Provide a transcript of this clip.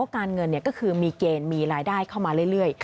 การเงินก็คือมีเกณฑ์มีรายได้เข้ามาเรื่อย